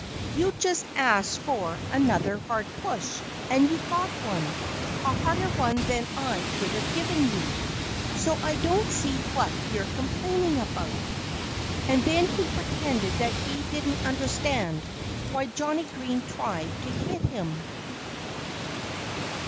You'd just asked for another hard push. ... And you got one a harder one than I could have given you. ... So I don't see what you're complaining about." And then he pretended that he didn't understand why Johnnie Green tried to hit him.